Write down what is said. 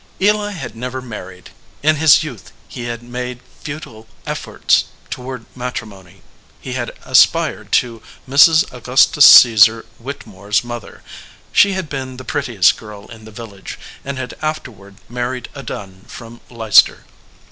Eli had never married. In his youth he had made futile efforts toward matrimony. He had aspired to Mrs. Augustus Csesar Whittemore s mother. She had been the prettiest girl in the village, and had afterward married a Dunn from Leicester.